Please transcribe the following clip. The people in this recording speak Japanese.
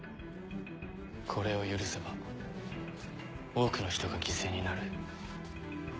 これを許せば多くの人が犠牲になる。